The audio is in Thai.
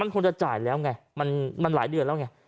คงจะจ่ายแล้วไงมันหลายเดือนแล้วไง